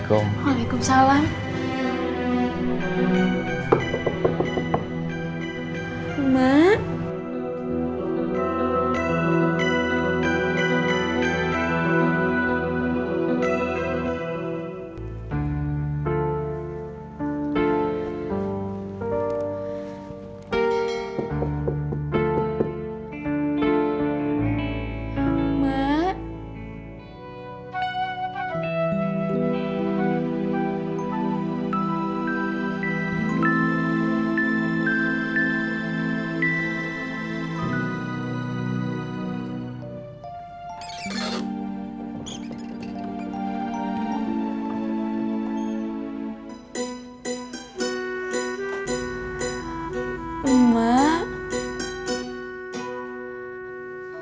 kamu ingin di kartu